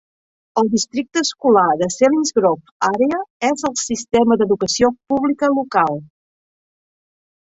El districte escolar de Selinsgrove Area és el sistema d'educació pública local.